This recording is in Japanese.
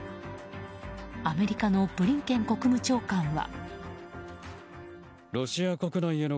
アメリカのブリンケン国務長官は。